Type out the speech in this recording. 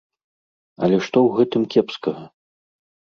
Але што ў гэтым кепскага?